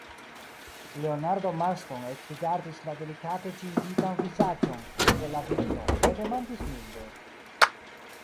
Leonardo Marston ekrigardis la delikate ĉizitan vizaĝon de la virino, kaj demandis milde: